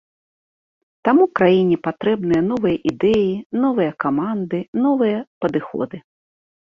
Таму краіне патрэбныя новыя ідэі, новыя каманды, новыя падыходы.